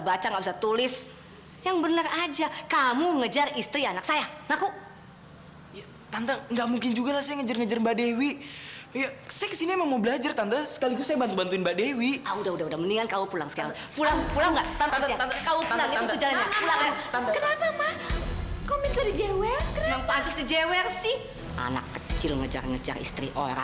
bagus kamu sudah bisa mengembalikan uang kantor